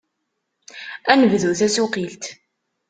Ad nebdu tasuqilt!